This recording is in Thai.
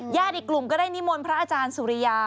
อีกกลุ่มก็ได้นิมนต์พระอาจารย์สุริยา